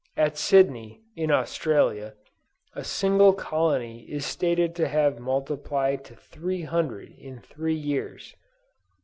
At Sydney, in Australia, a single colony is stated to have multiplied to 300 in three years.